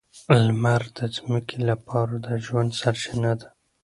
لمر د ځمکې لپاره د ژوند سرچینه ده.